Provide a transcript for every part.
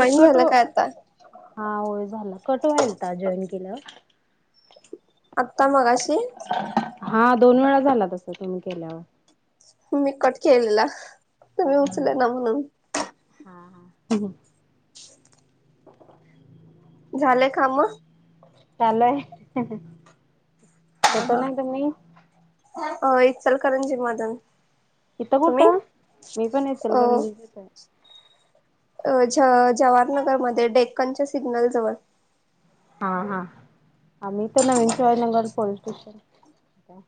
ते झालं कटव, काय आता हा होय झाला कटवायल पाहिजे [unintelligible] आत्ता मगाशी? हा दोन वेळा झाला तस तुम्ही केल्यावर. मी कट केलेला, तुम्ही उचलना म्हणून. [inaudible] हम्. झाले कामं? चालू आहे. त्यांच नंतर मी अ इचलकरंजी मधून. ईथं तुम्ही कुठं? मी पण अ इचलकरंजीत. अ जवाहरनगरमध्ये डेक्कनच्या सिग्नल जवळ. हा हा, अ मी तर नवीन शिवाजीनगर पोलीस स्टेशन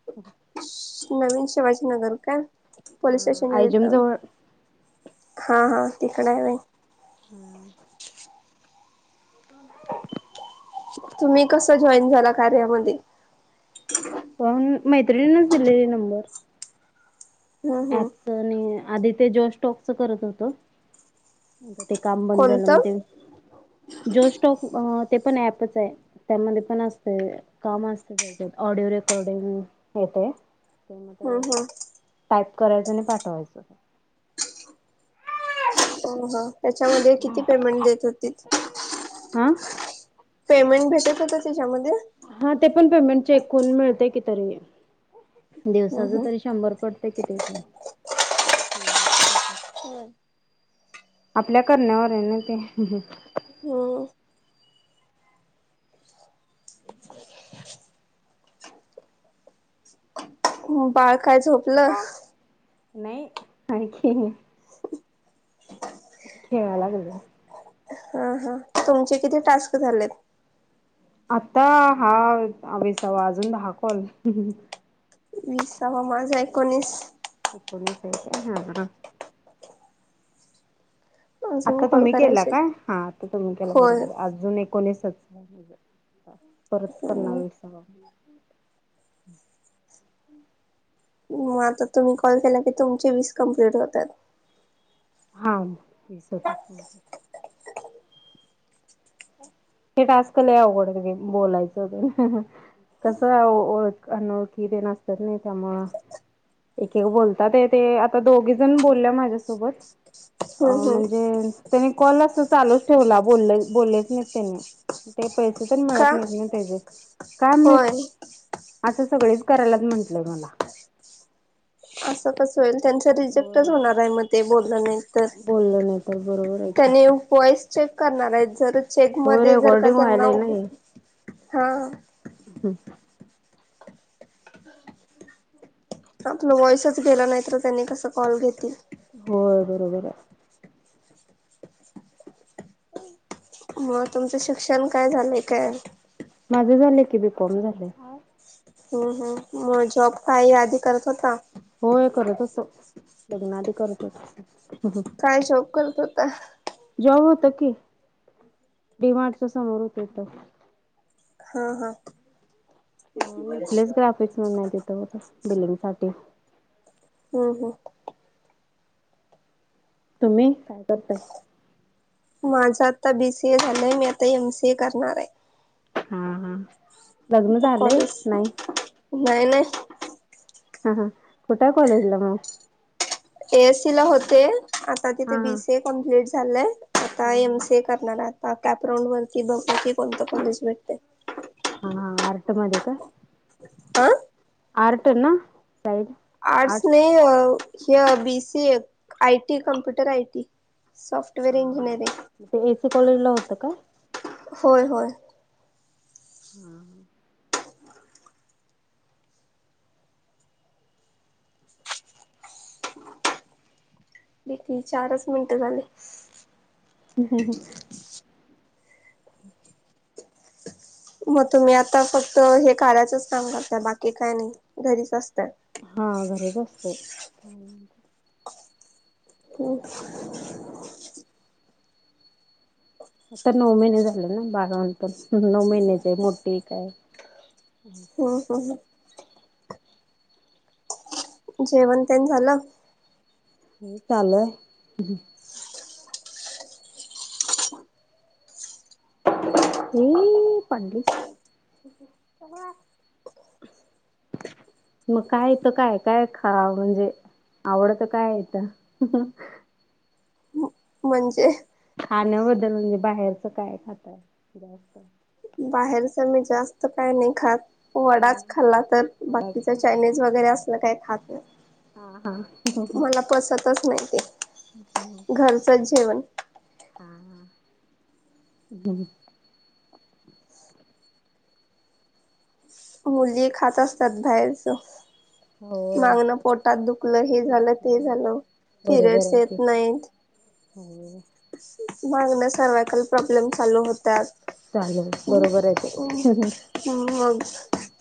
नवीन शिवाजीनगर काय? पोलीस हा स्टेशन आयजम [unintelligible] जवळ हा हा तिकड आहे. [inaudible] [unintelligible] तुम्ही कस जॉईन झाला कार्यामध्ये? अ मी, मैत्रिणीनच दिलेली नंबर. हम्म हम्म. ऍपच आणि आधी ते जॉश स्टॉकच करत होतो. ते काम बंद झालं कोणतं म्हण. जोश स्टॉक ते पण ऍपच आहे. त्यामध्ये पण असते काम असते त्याच्यात ऑडिओ रेकॉर्डिंग येत. ते मग हम् हम टाईप करायचं आणि पाठवायचं. तर मग, त्याच्यामध्ये किती पेमेंट देत होतीत? आ? पेमेंट भेटत होत त्याच्यामध्ये? हा ते पण पेमेंट चेक करून मिळते कि तरी दिवसाच तरी शंभर पड ते की तो. [inaudible] [inaudible] आपल्या करण्यावर आहे ना ते. हम्म. मग बाळ काय झोपलं? नाही, आणखी. खेळाय लागल्या. हा, हा तुमचे किती टास्क झालेत? आता हा विसावा अजून दहा कॉल. वीसवा माझा एकोणीस. एकोणीस काय? हा, हा. अजून आता कॉल तुम्ही केला करायचे काय? हा आता तुम्ही केला बरोबर होय. आहे, अजून अजून एकोणीस, परत करना वीस. मग आता तुम्ही कॉल केला की तुमचे वीस कमप्लीट होतात. हा असं. ते टास्क लय अवघड हे बोलायचं. कसं ओळख, अनोळखी तेन असतात नाही त्यामुळं. एक-एक बोलतात ते आता दोघीजण बोलल्या माझ्यासोबत. अ हम्म हम्म म्हणजे त्यानी कॉल अस चालूच ठेवला बोल- बोललेच नाहीत त्यांनी. ते पैसे तर का मिळत नाहीत ना त्याचे, काम होय. असं सगळेच करायल्यात म्हटलं मला. असं कसं होईल त्यांचा हो रिजेक्टच होणार आहे मग ते बोल नाहीत. बोललं नाही तर बरोबर आहे [inaudible] की त्यानी वॉइस चेक करणार आहेत जर चेक हो मध्ये जर का रेकॉर्डिंग त्यांना, व्हायलाय हा. हम्. [unintelligible] आपलं वॉइसच गेला नाही तर त्यांनी कस कॉल घेतील. हो बरोबर आहे. [inaudible] [unintelligible] मग तुमचं शिक्षण काय झालंय काय? माझं झालं की बी कॉम झालाय. हम्म हम् मग जॉब काही आधी करत होता? होय करत होतो [inaudible] लग्नाआधी करत होतो. काय जॉब करत होता? जॉब होत की [inaudible] डी मार्टच्या समोरच होता. हा-हा. न्युक्लियस ग्राफिक्स म्हणुन आहे तिथं बघा बिलिंग साठी. हम- हम. तुम्ही? करताय माझं आता बी सी ए झालंय मी आता एम सी ए करणार आहे. हम् -हम्. आता कॉलेज? नाही-नाही. हम् -हम् कुठाय कॉलेजला मग? ए एससीला होते आता तिथे हा हा बी सी ए कम्प्लीट झालंय आता हा एम सी ए करणार, आता कॅपराऊंड वरती बघु की कोणतं कॉलेज भेटतय. हा -हा आर्टमध्ये काय? अ? आर्ट ना साईड. आर्ट्स नाही हो. य B C A, I T computer I T, software engineering म ते ए च कॉलेजला होतं का? होय होय. हा हा किती चारच मिनटं झाले. [inaudible] [unintelligible] म तुम्ही आता फक्त हे कार्याचच कामं करता बाकी काय नाय घरीच असत्या. हा घरीच असते. [unintelligible] आता नऊ महिने झाले न बारा [unintelligible] नऊ महिन्याचय मोठीे एक हाय हूं हूं हू जेवण तेन झालं. हो चालूय. ए पाडलीस [inaudible] म काय इथं काय काय खा म्हणजे आवडत काय इथं म्हणजे खाण्या बदल म्हणजे बाहेरच काय खाताय जास्त बाहेरच मी जास्त कायय नाही खात हा वडाच खाल्ला तर बाकीच वडाच चायनीज वगैरे असलं काय खात नाय. हा हा मला पसतच नाय ते घरचच जेवण हा हा मुली खात असतात बाहेरच हो मागणं पोटात दुखलं हे झालं ते दुखलं झालं बरोबर फिरयड्स आहे की येत नाहीत. हो. मागण सर्वायकल प्रॉब्लेम चालू होत्यात. चालू बरोबर हाय ते हू मग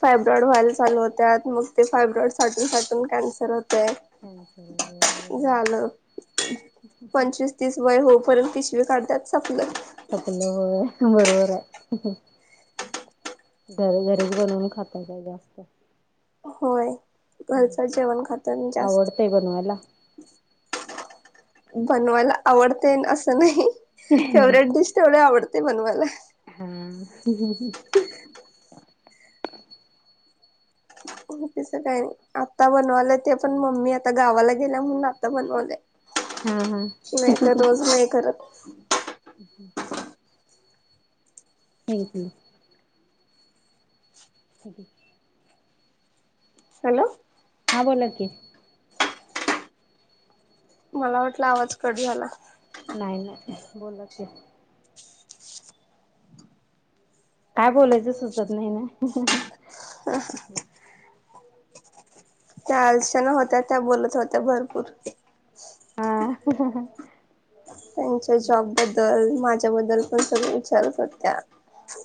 फायब्रॉइड व्हायल चालू होत्या मग ते फायब्रॉइड साठून साठून कॅन्सर होतय. कॅन्सल झालं [unintelligible] पंचवीस तीस वय होऊपर्यंत पिशवी काढत्यात सपलं खपलं होय बरोबर आय. घर घरीच बनवून खाताय काय जास्त होय घरचं जेवण खातो आम्ही जास्त आवडतय बनवायला. बनवायला आवडतेनं असं नाही फेवरेट डिश तेवढी आवडते बनवायला. हा तस काय नाय आता बनवालंय ते पण मम्मी आता गावाला गेल्या म्हणून आता बनवलंय. हा हा नाय त रोज नाय करत. हम् हम् थँक्यू हे घे हॅलो हां बोला की, मला वाटलं आवाज कट झाला. नाय नाय बोला की, काय बोलायचं सुचत नाही ना त्या आलशना होत्या त्या बोलत होत्या भरपूर [unintelligible] त्यांच्या जॉबबद्दल माझ्याबद्दल पण सगळ विचारत होत्या.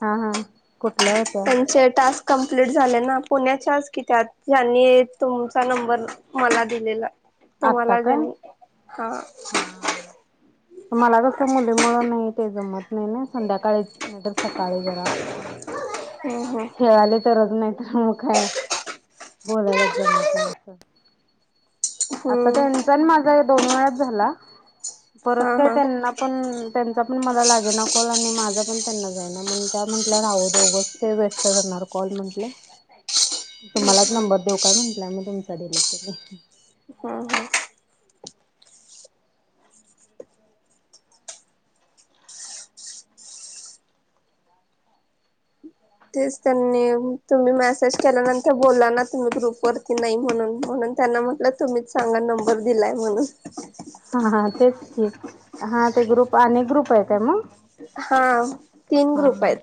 हा हा कुठल त्यांचे टास्क कंप्लीट झाले ना पुण्याच्याच की त्यात ज्यांनी तुम चा नंबर मला दिलेला आत्ता तुम्हाला का ज्यांनी हा हा हा. मला कसं मुली मुळ नाही ते जमत नाही ना संध्याकाळीचं नाय तर सकाळी जरा जमतंय हम्म हम्म ते खेळालीत करत नाय त्यामुळं काय बोलायलाचं जमत नाय असं - आता हम्म त्यांचा आणं माझा हे दोन वेळाचं झाला, हा परत काय हा त्यांना पण त्यांचा पण मला लागेना कॉल आणि माझा पण त्यांना जाईना, म्हणून त्या म्हंटल्या राहू दे उगचं ते वेस्ट- स्ट जाणार कॉल म्हंटल तुम्हाला एक नंबर देऊ का म्हंटल्या, म तुमचा दिला तीनी- हं हं तेच त्यांनी तुम्ही मेसेज केल्यानंतर बोलला ना, तुम्ही ग्रुपवरती नाही म्हणून म्हणून त्यांना म्हटलं तुम्हीच सांगा, नंबर दिलाय म्हणून हा हा तेच की हा ते ग्रुप आणि ग्रुप ये काय म हा तीन हां ग्रुप आहेत. हां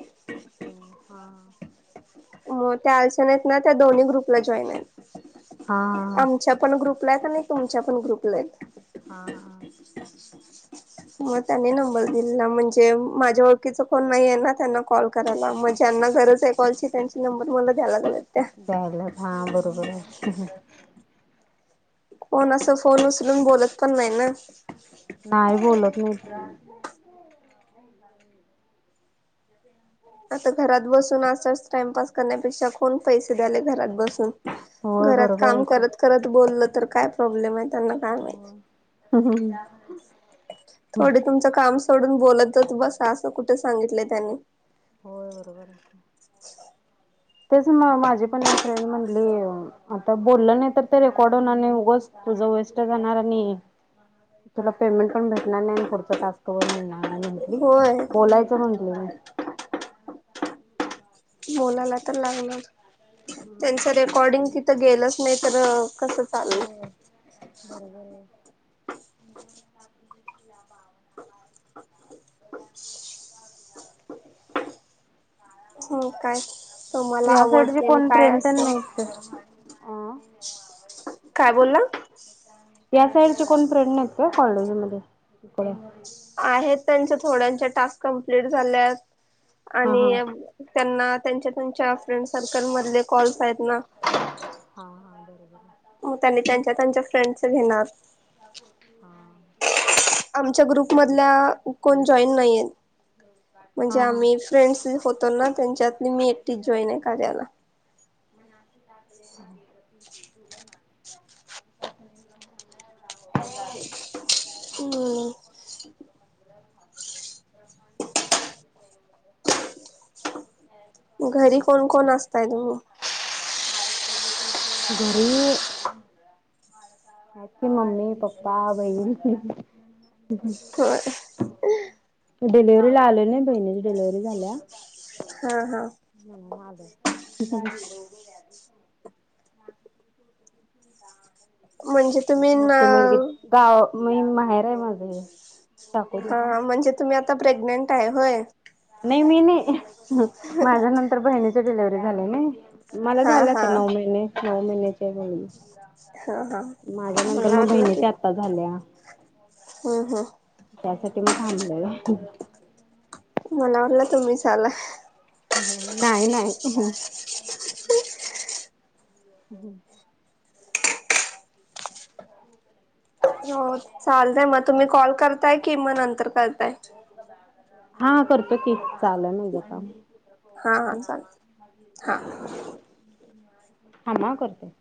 हो हां- म त्या अर्चना आहेत ना, त्या दोन्ही ग्रुपला जॉईन आहेत. हां हा हा च्या पण ग्रुपला येत आणि तुमच्या पण ग्रुपला येत - हां हां- म त्यांनी नंबर दिलेला म्हणजे माझ्या ओळखीचं कोण नाहीये ना, त्यांना कॉल करायला मग ज्यांना गरज हाय कॉलची त्यांची नंबर मला द्यायला लागल्यात त्या द्यायला हां बरोबर हाय. - कोण असं फोन उचलून बोलत पण नाय ना नाय बोलत मी - [inaudible] [inaudible] [inaudible] आता घरात बसून असंच टाइमपास करण्यापेक्षा कोण पैसे द्यायले घरात बसून. - होय घरात बरोबर काम आहे की करत करत बोलल तर काय प्रॉब्लेम ये त्यांना- काय माहित. हो. थोडी तुमचं काम सोडून बोलतचं बसा, असं कुठं सांगितलंय त्यांनी होय बरोबर ये तेच म माझी पण एक फ्रेंड म्हंटली आता बोललं नाय तर ते रेकॉर्ड होणार नाही, उगचं तुझं वेस्ट जाणार आणि तुला पेमेंट पण भेटणार नाय आणि पुढच टास्क पण मिळणार नाय म्हंटली, होय बोलायचं म्हंटली म [inaudible] बोलायला तर लागणार, त्यांच रेकॉर्डिंग तिथं गेल च नाय तर कसं चालल [unintelligible] [inaudible] [unintelligible] [inaudible] हो काय तुम्हाला या आवड साईडचे तेनं कोण काय फ्रेंड तर असं? नाहीत अ काय बोलला? या साईडचे कोण फ्रेंड नाहीत काय कॉलेजमधे थोड्या? आहेत त्यांच्या थोड्यांच्या टास्क कंप्लीट झाल्यात हा हा आणि त्यांना त्यांच्या-त्यांच्या फ्रेंड सर्कल मधले कॉल्स आहेत ना. हां [inaudible] मग त्यांनी त्यांच्या-त्यांच्या फ्रेंडचं घेणार. [inaudible] आमचा ग्रुपमधल्या कोण जॉईन नाही आहेत. [inaudible] म्हणजे आम्ही फ्रेंड्स होतो ना, त्यांच्यातली मी एकटीचं जॉईन आहे कार्याला. [inaudible] [unintelligible] हम्. [inaudible] घरी कोण-कोण असतय तुम्ही? [unintelligible] घरी ती मम्मी, पप्पा, बहीण. होय डिलिव्हरी ला आले नाही बहिणीची डिलेव्हरी झाल्या. हा हा. [inaudible] तिचा. [inaudible] म्हणजे तुम्ही [inaudible] मोठी मुलगी न गाव मी माहेर आहे माझं हे. चाकोरी हा म्हणजे तुम्ही आता प्रेग्नेंट आहे होय? नाही मी नाही माझ्या नंतर बहिणीची डिलिव्हरी झाली नाही. मला हा झालं हा आता नऊ महिने, नऊ महिने. हम्म, हा हा माझ्या नंतर मला मग बहिणीच्या आता झाल्या. [inaudible] हम् हम्. त्यासाठी मग थांबले. मला वाटलं तुम्ही [unintelligible] नाही नाही. [inaudible] [inaudible] हो चालतय मग तुम्ही कॉल करताय कि मग नंतर करताय? हा करतो की चालय माझं काम. हा हा चालेल, हा. [inaudible] [unintelligible] थांबा करतो.